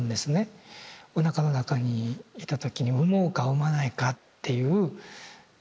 おなかの中にいた時に産もうか産まないかっていう。